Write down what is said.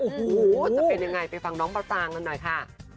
อู๋จะเป็นอย่างไรไปฟังน้องมพลางหน่อยค่ะ